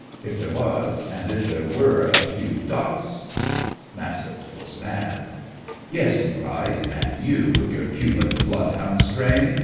If there was, and if there were a few Dachs " Massett was mad. "Yes!" he cried. "And you, with your Cuban bloodhound strain!